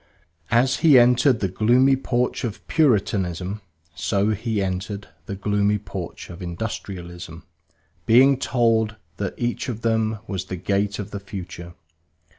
As he entered the gloomy porch of Puritanism, so he entered the gloomy porch of Industrialism, being told that each of them was the gate of the future.